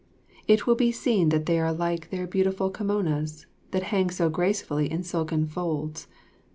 It will be seen that they are like their beautiful kimonas, that hang so gracefully in silken folds.